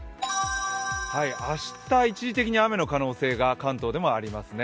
明日、一時的に雨の可能性が関東でもありますね。